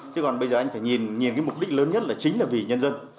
thế còn bây giờ anh phải nhìn cái mục đích lớn nhất là chính là vì nhân dân